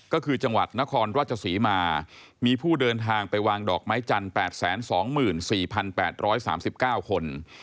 ก็คือจังหวัดนครราชศรีมามีผู้เดินทางไปวางดอกไม้จันทร์๘๒๔๘๓๙คน